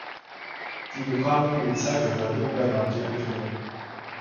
Die lokale Polizeibehörde übernahm die Ermittlungen.